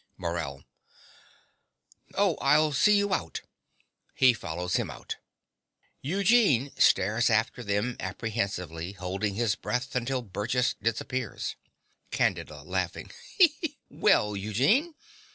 MORELL. Oh, I'll see you out. (He follows him out. Eugene stares after them apprehensively, holding his breath until Burgess disappears.) CANDIDA. Well, Eugene.